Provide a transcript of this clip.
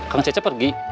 kang cece pergi